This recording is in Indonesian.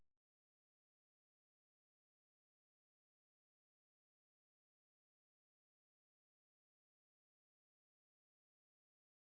gue bosen jadi boneka